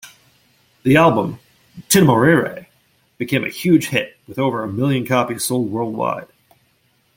The album "T'innamorerai" became a huge hit, with over a million copies sold worldwide.